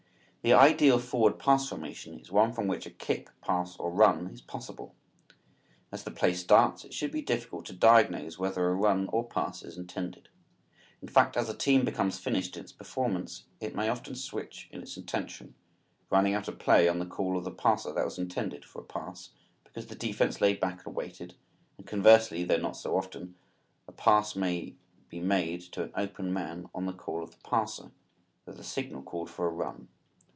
The ideal forward pass formation is one from which a kick, pass or run is possible. As the play starts it should be difficult to diagnose whether a run or pass is intended. In fact, as a team becomes finished in its performance it may often switch in its intention, running out a play on the call of the passer that was intended for a pass, because the defense laid back and waited; and conversely, though not so often, a pass may be made to an open man on the call of the passer, though the signal called for a run.